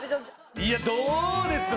いやどうですか？